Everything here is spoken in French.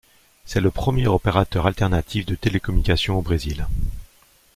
C'est le premier opérateur alternatif de télécommunications au Brésil.